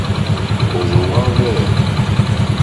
Òrzòŋwá hwɛ̂.